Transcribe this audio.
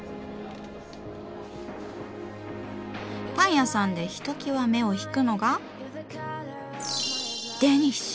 パン屋さんでひときわ目を引くのがデニッシュ！